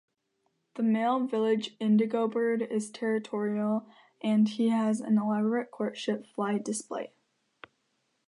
The male village indigobird is territorial, and he has an elaborate courtship flight display.